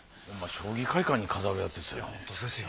将棋会館に飾るやつですよ。